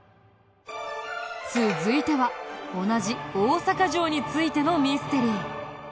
続いては同じ大坂城についてのミステリー。